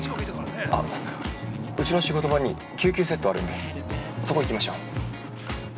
うちの仕事場に救急セットあるんで、そこ行きましょう。